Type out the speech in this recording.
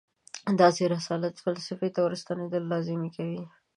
داسې رسالت فلسفې ته ورستنېدل لازمي کوي.